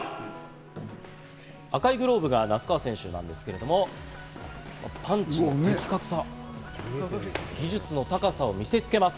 赤いグローブが那須川選手なんですけど、パンチの的確さ、技術の高さを見せ付けます。